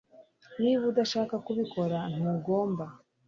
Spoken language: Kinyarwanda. Niba udashaka kubikora ntugomba